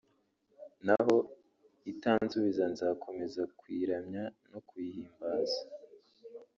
n’aho itansubiza nzakomeza kuyiramya no kuyihimbaza